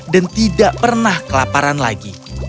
dan tidak pernah kelaparan lagi